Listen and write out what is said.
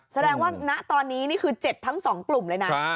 แสดงว่าณตอนนี้นี่คือเจ็บทั้งสองกลุ่มเลยนะ